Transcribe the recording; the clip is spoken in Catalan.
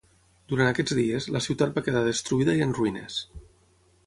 Durant aquests dies, la ciutat va quedar destruïda i en ruïnes.